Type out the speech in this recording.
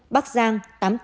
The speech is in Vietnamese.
bắc giang tám mươi bốn